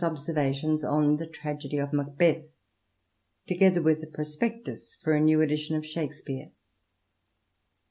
Observations on the Tragedy of Macbeth " together with a prospectus for a new edition of Shakespeare.